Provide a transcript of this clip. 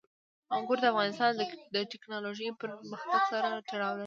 انګور د افغانستان د تکنالوژۍ پرمختګ سره تړاو لري.